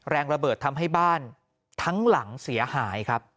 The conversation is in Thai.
แรงระเบิดทำให้บ้านทั้งหลังเสียหายครับ